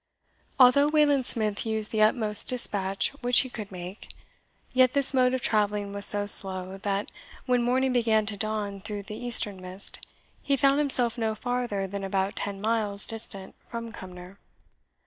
Although Wayland Smith used the utmost dispatch which he could make, yet this mode of travelling was so slow, that when morning began to dawn through the eastern mist, he found himself no farther than about ten miles distant from Cumnor.